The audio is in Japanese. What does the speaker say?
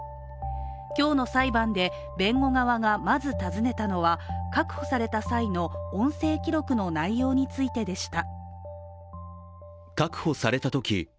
今日の裁判で弁護側がまず尋ねたのは確保された際の、音声記録の内容についてでした。